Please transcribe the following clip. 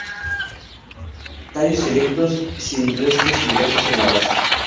Tallos erectos, sin restos fibrosos en la base.